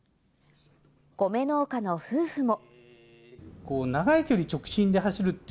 米農家の夫婦も。